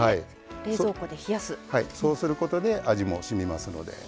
そうすることで味もしみますので。